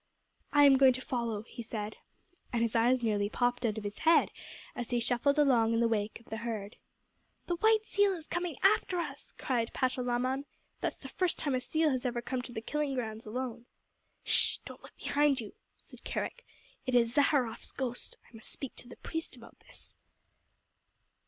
"I am going to follow," he said, and his eyes nearly popped out of his head as he shuffled along in the wake of the herd. "The white seal is coming after us," cried Patalamon. "That's the first time a seal has ever come to the killing grounds alone." "Hsh! Don't look behind you," said Kerick. "It is Zaharrof's ghost! I must speak to the priest about this."